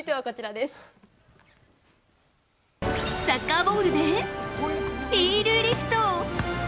サッカーボールで、ヒールリフト。